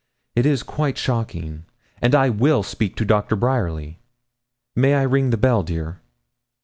It is quite shocking, and I will speak to Doctor Bryerly. May I ring the bell, dear?'